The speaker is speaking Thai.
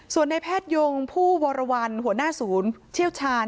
ส่วนในแพทยงผู้วรวรรณหัวหน้าศูนย์เชี่ยวชาญ